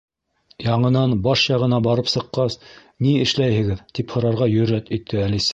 —Яңынан баш яғына барып сыҡҡас, ни эшләйһегеҙ? —тип һорарға йөрьәт итте Әлисә.